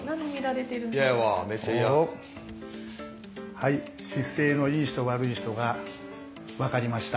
はい姿勢のいい人・悪い人が分かりました。